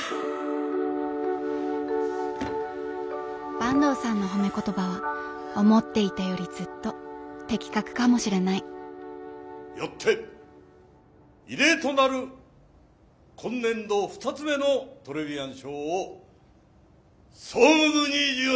坂東さんの褒め言葉は思っていたよりずっと的確かもしれないよって異例となる今年度２つ目のトレビアン賞を総務部に授与します！